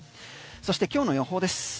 そして今日の予報です。